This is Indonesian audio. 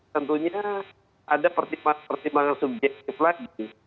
tentunya ada pertimbangan pertimbangan subjektif lagi